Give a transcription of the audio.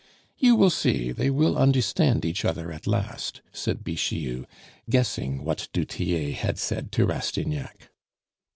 "You will see, they will understand each other at last," said Bixiou, guessing what du Tillet had said to Rastignac.